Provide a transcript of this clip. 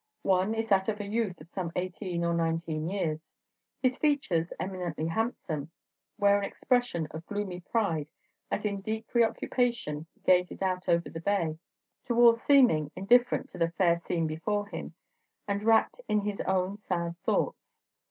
One is that of a youth of some eighteen or nineteen years; his features, eminently handsome, wear an expression of gloomy pride as in deep preoccupation he gazes out over the bay; to all seeming, indifferent to the fair scene before him, and wrapped in his own sad thoughts.